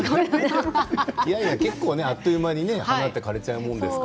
結構あっという間に花は枯れてしまうものですから。